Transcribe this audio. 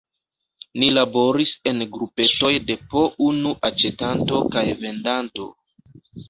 Ni laboris en grupetoj de po unu aĉetanto kaj vendanto.